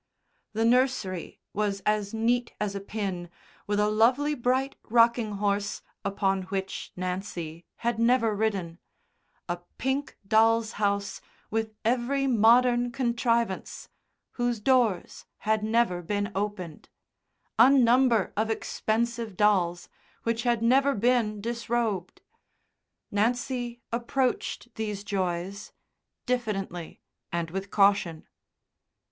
The nursery was as neat as a pin, with a lovely bright rocking horse upon which Nancy had never ridden; a pink doll's house with every modern contrivance, whose doors had never been opened; a number of expensive dolls, which had never been disrobed. Nancy approached these joys diffidently and with caution.